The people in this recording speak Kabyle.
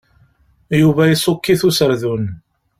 Yuba iṣukk-it userdun.